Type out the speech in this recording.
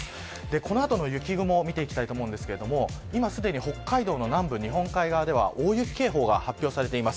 この後の雪雲を見ていきたいんですが今すでに北海道の南部日本海側では大雪警報が発表されています。